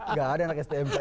nggak ada anak stm